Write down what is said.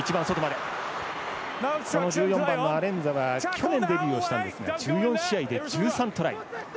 １４番のアレンザは去年デビューをしたんですが１４試合で１３トライ。